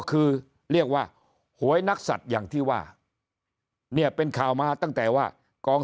คือเรียกว่าหวยนักสัตว์อย่างที่ว่าเนี่ยเป็นข่าวมาตั้งแต่ว่ากอง